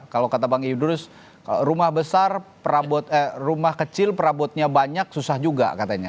kalau kata bang idrus rumah besar rumah kecil perabotnya banyak susah juga katanya